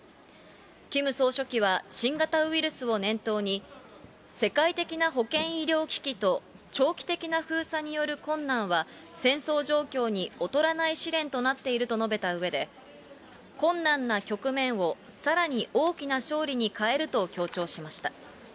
キム総書記は新型ウイルスを念頭に、世界的な保健医療危機と、長期的な封鎖による困難は、戦争状況に劣らない試練となっていると述べたうえで、困難な局面をさらに大きな勝利に変えると強調しました。